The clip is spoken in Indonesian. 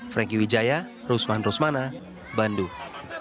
franky wijaya rusman rusmana bandung